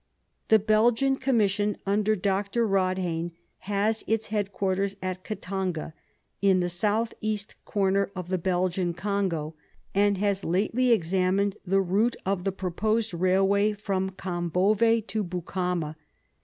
The Belgian Commission, under Dr. Kodhain, has its headquarters at Katanga, in the south east corner of the Belgian Congo, and has lately examined the route of the proposed railway from Kambove to Bukama.